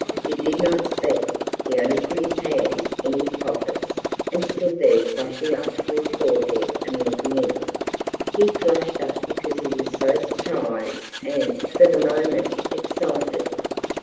He did not speak; he only put his hands in his pockets and stood there flushing up to his forehead and looking in. He flushed up because he was so surprised and, for the moment, excited.